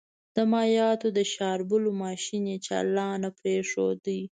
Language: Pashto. د مايعاتو د شاربلو ماشين يې چالان پرېښود.